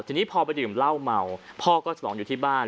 ทีนี้พอไปดื่มเหล้าเมาพ่อก็ฉลองอยู่ที่บ้าน